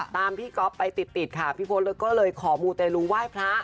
ตามพี่ก๊อฟไปติดค่ะพี่โฟตก็เลยขอบูเตรลุไหว้พระ